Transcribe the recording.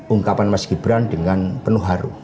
ungkapan mas gibran dengan penuh haru